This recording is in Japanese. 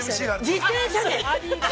◆自転車で。